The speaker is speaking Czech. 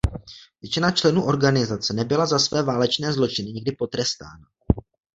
Většina členů organizace nebyla za své válečné zločiny nikdy potrestána.